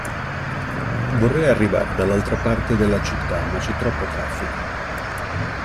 Vorrei arrivare dall'altra parte della città, ma c'è troppo traffico.